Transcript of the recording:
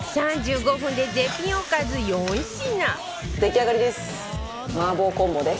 ３５分で絶品おかず４品